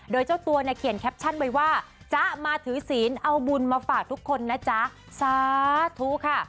โดยเจ้าตัวเนี่ยเขียนแคปชั่นไว้ว่าจ๊ะมาถือศีลเอาบุญมาฝากทุกคนนะจ๊ะสาธุค่ะ